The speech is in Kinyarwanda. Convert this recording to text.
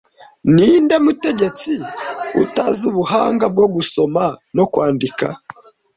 Ninde mutegetsi utazi ubuhanga bwo gusoma no kwandika